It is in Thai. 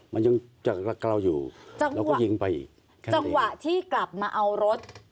มันยังจากรักเราอยู่แล้วก็ยิงไปอีกจังหวะที่กลับมาเอารถ